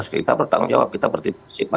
kita bertanggung jawab kita bertiga